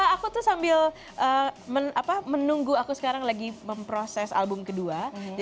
aku tuh sambil menunggu aku sekarang lagi memproses album kedua